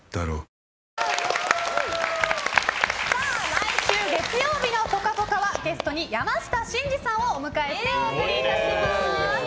来週月曜日の「ぽかぽか」はゲストに山下真司さんをお迎えしてお送りいたします。